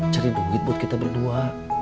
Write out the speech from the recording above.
cari duit buat kita berdua